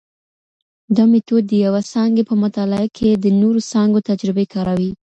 دا مېتود د یوه څانګې په مطالعه کې د نورو څانګو تجربې کاروي.